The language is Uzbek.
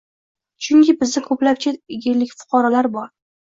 Chunki bizda koʻplab chet yellik fuqarolar bor